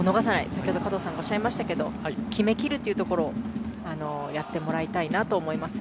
先ほど加藤さんがおっしゃいましたが決めきるというところをやってもらいたいなと思います。